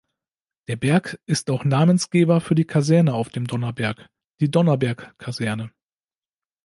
Der Berg ist auch Namensgeber für die Kaserne auf dem Donnerberg, die Donnerberg-Kaserne.